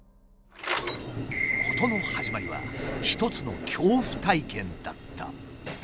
事の始まりは一つの恐怖体験だった。